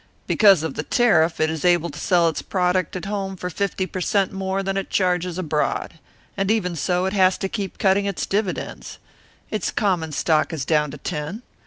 Because of the tariff it is able to sell its product at home for fifty per cent more than it charges abroad; and even so, it has to keep cutting its dividends! Its common stock is down to ten.